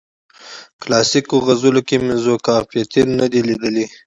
کلاسیکو غزلونو کې مې ذوقافیتین نه دی لیدلی.